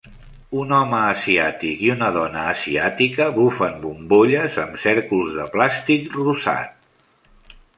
Un home asiàtic i una dona asiàtica bufen bombolles amb cèrcols de plàstic rosat.